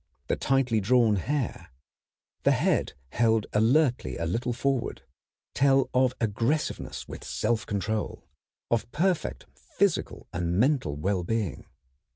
The tightly drawn hair, the head held alertly a little forward, tell of aggressiveness with self control, of perfect physical and mental well being.